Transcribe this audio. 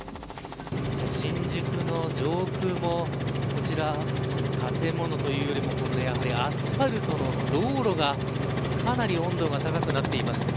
新宿の上空もこちら、建物というよりもやはり、アスファルトの道路がかなり温度が高くなっています。